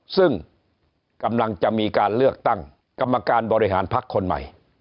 ซึ่งกำลังจะมีการเลือกตั้งกรรมการบริหารพักคนใหม่